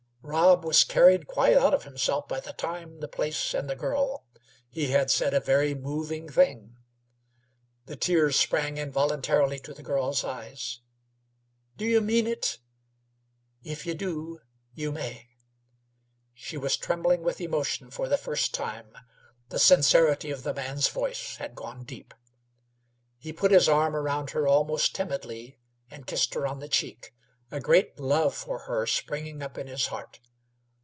Rob was carried quite out of himself by the time, the place, and the girl. He had said a very moving thing. The tears sprang involuntarily to the girl's eyes. "Do you mean it? If y' do, you may." She was trembling with emotion for the first time. The sincerity of the man's voice had gone deep. He put his arm around her almost timidly, and kissed her on the cheek, a great love for her springing up in his heart.